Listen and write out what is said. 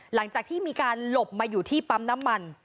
หลังจากที่มีการหลบมาอยู่ที่ปั๊มน้ำมัน